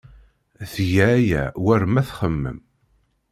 Tga aya war ma txemmem.